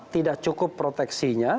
tidak cukup proteksinya